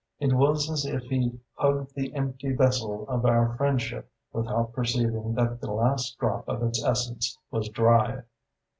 It was as if he hugged the empty vessel of our friendship without perceiving that the last drop of its essence was dry.